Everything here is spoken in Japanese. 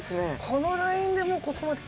このラインでもうここまで。